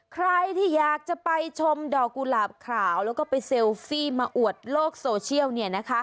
ใครที่อยากจะไปชมดอกกุหลาบขาวแล้วก็ไปเซลฟี่มาอวดโลกโซเชียล